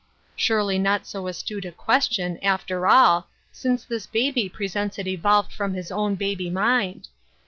Surely not so astute a question, after all, since this baby presents it evolved from his own baby mind.